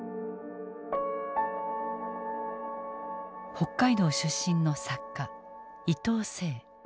北海道出身の作家伊藤整。